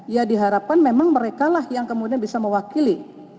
ya diharapkan memang mereka lah yang kemudian bisa mewakili